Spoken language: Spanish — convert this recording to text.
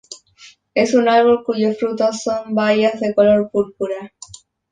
Es un árbol cuyos frutos son bayas de color púrpura.